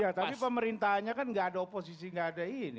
ya tapi pemerintahnya kan nggak ada oposisi nggak ada ini